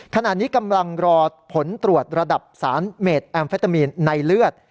ขณะนี้กำลังรอผลตรวจระดับสารเมดแอมเฟตามีนในเลือด